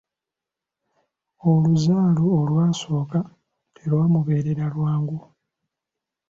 Oluzaalo olwasooka telwamubeerera lwangu.